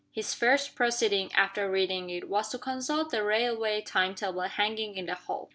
His first proceeding, after reading it, was to consult the railway time table hanging in the hall.